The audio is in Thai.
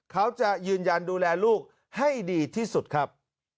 เขาจะยืนยันดูแลลูกให้ดีที่สุดครับ